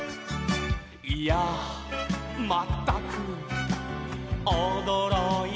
「いやあまったくおどろいた」